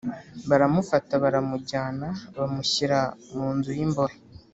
Baramufata baramujyana bamushyira mu nzu y’imbohe